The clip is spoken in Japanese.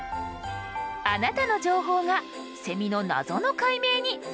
あなたの情報がセミの謎の解明につながるかも！